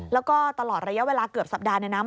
แล้วก็ตลอดระยะเวลาเกือบสัปดาห์เนี่ยนะ